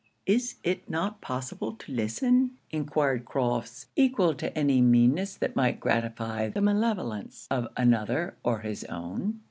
'Is it not possible to listen?' enquired Crofts, equal to any meanness that might gratify the malevolence of another or his own.